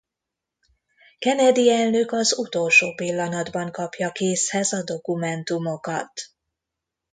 Kennedy elnök az utolsó pillanatban kapja kézhez a dokumentumokat.